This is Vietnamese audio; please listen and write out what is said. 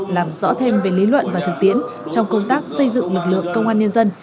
làm rõ thêm về lý luận và thực tiễn trong công tác xây dựng lực lượng công an nhân dân